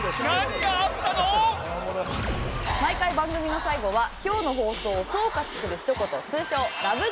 毎回番組の最後は今日の放送を総括するひと言通称ラブ！！